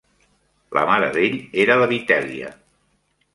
La mare d'ell era la Vitèlia.